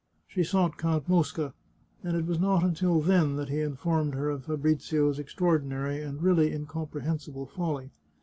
She sought Count Mosca, and it was not until then that he informed her of Fabrizio's extraordinary and really incom prehensible folly.